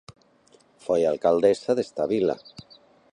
Foi alcaldesa desta vila.